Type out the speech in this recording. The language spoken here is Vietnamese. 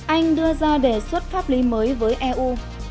anh đưa ra đề xuất pháp lý mới với eu